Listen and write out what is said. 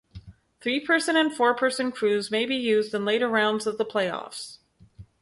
Three-person and four-person crews may be used in later rounds of the playoffs.